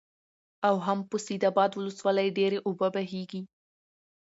او هم په سيدآباد ولسوالۍ ډېرې اوبه بهيږي،